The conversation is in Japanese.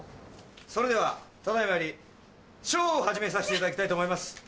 それではただ今よりショーを始めさせていただきたいと思います。